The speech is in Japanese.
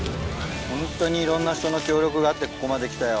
ホントにいろんな人の協力があってここまで来たよ。